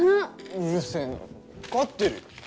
うるせえな分かってるよ。